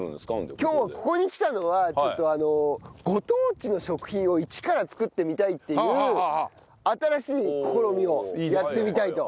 今日ここに来たのはご当地の食品をイチから作ってみたいっていう新しい試みをやってみたいと思います。